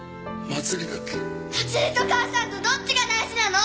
祭りと母さんとどっちが大事なの？